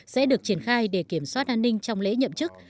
sẽ được triển khai để kiểm soát an ninh trong lễ nhậm chức